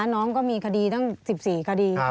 น้องก็มีคดีตั้ง๑๔คดี